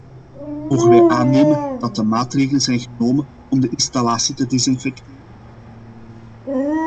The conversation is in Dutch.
Mogen wij aannemen dat maatregelen zijn genomen om de installatie te desinfecteren?